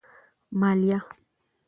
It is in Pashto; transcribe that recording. مالیه